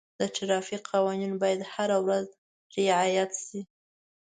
د ټرافیک قوانین باید هره ورځ رعایت شي.